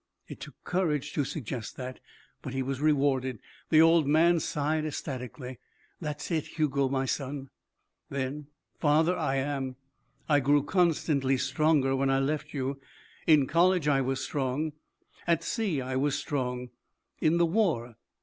It took courage to suggest that. But he was rewarded. The old man sighed ecstatically. "That's it, Hugo, my son." "Then father, I am. I grew constantly stronger when I left you. In college I was strong. At sea I was strong. In the war.